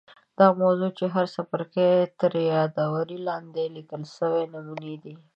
دا موضوعات چې د هر څپرکي تر یادوري لاندي لیکل سوي نمونې دي.